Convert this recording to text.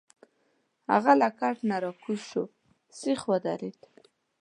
هغه له کټ نه راکوز شو، سیخ ودرید.